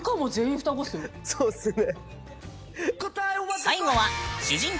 そうっすね。